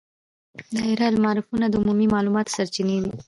دایرة المعارفونه د عمومي معلوماتو سرچینې دي.